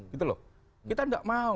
kita tidak mau